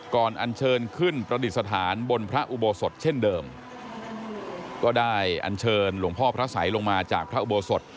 อันเชิญขึ้นประดิษฐานบนพระอุโบสถเช่นเดิมก็ได้อันเชิญหลวงพ่อพระสัยลงมาจากพระอุโบสถ